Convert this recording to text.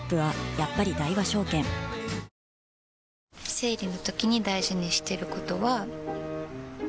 生理のときに大事にしてることは。